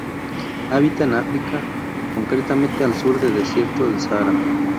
Habita en África, concretamente al sur del Desierto del Sáhara.